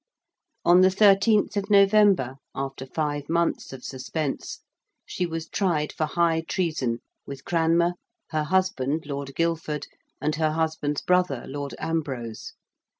On the 13th of November after five months of suspense she was tried for high treason with Cranmer, her husband Lord Guilford, and her husband's brother, Lord Ambrose.